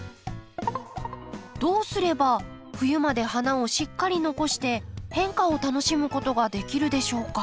どうすれば冬まで花をしっかり残して変化を楽しむことができるでしょうか？